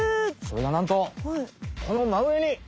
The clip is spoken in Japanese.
それがなんとこのまうえに！